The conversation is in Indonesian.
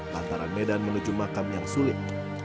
lantaran medan menuju makam yang sulit